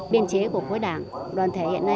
biên chế của khối đảng đoàn thể hiện nay